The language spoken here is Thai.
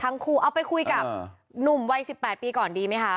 เอาไปคุยกับหนุ่มวัย๑๘ปีก่อนดีไหมคะ